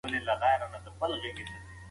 د ماشوم مینه ټولنیز تړاو پیاوړی کوي.